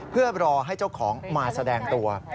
เพื่อรอให้เจ้าของมาแสดงตัว